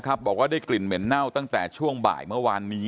บอกว่าได้กลิ่นเหม็นเน่าตั้งแต่ช่วงบ่ายเมื่อวานนี้